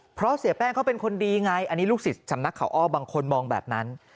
เพราะเสียแป้งเขาเป็นคนดีไงอันนี้ลูกศิษย์สำนักเขาอ้อบางคนมองแบบนั้น